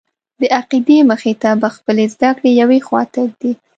د عقیدې مخې ته به خپلې زده کړې یوې خواته ږدې.